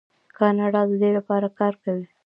کاناډا د دې لپاره کار کوي.